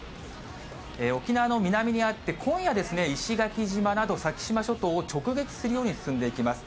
沖縄の南にあって、今夜ですね、石垣島など、先島諸島を直撃するように進んでいきます。